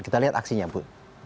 kita lihat aksinya bu